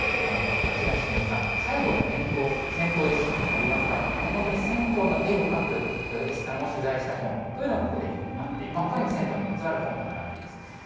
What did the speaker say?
町田忍さん、最後の銭湯絵師とありますが、本当に銭湯の絵を描く絵師さんを取材した本というのが、ここで、ほかにも銭湯にまつわる本が並んでいます。